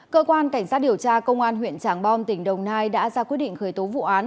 cơ quan cảnh sát điều tra công an huyện tràng bom tỉnh đồng nai đã ra quyết định khởi tố vụ án